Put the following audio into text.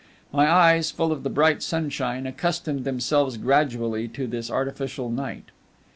My eyes, full of the bright sunshine, accustomed themselves gradually to this artificial night.